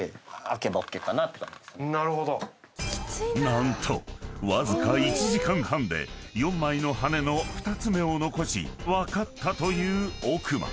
［何とわずか１時間半で４枚の羽根の２つ目を残し分かったという奥間］